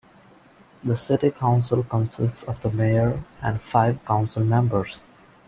The city council consists of the mayor and five council members.